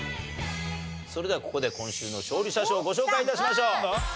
それではここで今週の勝利者賞ご紹介致しましょう。